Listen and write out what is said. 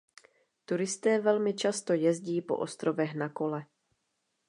Turisté velmi často jezdí po ostrovech na kole.